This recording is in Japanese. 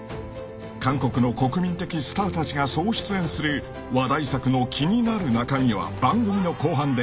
［韓国の国民的スターたちが総出演する話題作の気になる中身は番組の後半で］